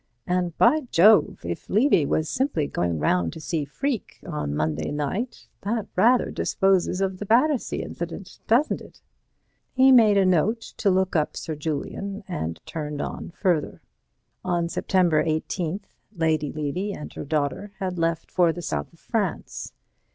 "And, by Jove! if Levy was simply going round to see Freke on Monday night, that rather disposes of the Battersea incident, doesn't it?" He made a note to look up Sir Julian and turned on further. On September 18th, Lady Levy and her daughter had left for the south of France.